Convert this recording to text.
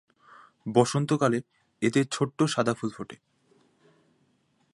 বসন্তকালে এতে ছোট্ট সাদা ফুল ফোটে।